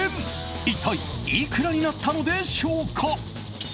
一体いくらになったのでしょうか。